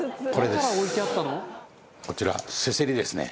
豊ノ島：こちら、せせりですね。